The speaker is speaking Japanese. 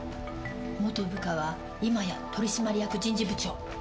元部下は今や取締役人事部長。